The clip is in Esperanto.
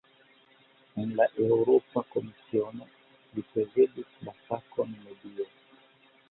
En la Eŭropa Komisiono, li prezidis la fakon "medio".